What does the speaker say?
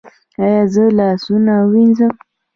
ایا زه لاسونه ووینځم؟